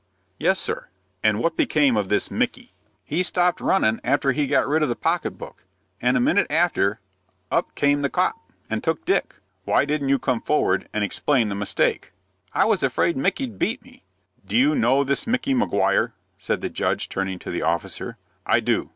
"Yes, sir." "And what became of this Micky?" "He stopped runnin' after he'd got rid of the pocket book, and a minute after, up came the 'copp,' and took Dick." "Why didn't you come forward, and explain the mistake?" "I was afraid Micky'd beat me." "Do you know this Micky Maguire?" said the judge, turning to the officer. "I do."